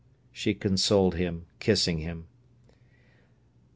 she consoled him, kissing him.